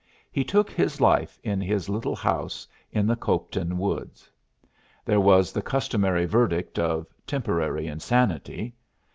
He took his life in his little house in the Copeton woods. There was the customary verdict of 'temporary insanity.'